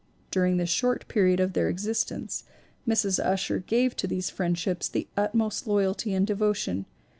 ... During the short period of their existence, Mrs. Ussher gave to these friendships the utmost loyalty and devotion.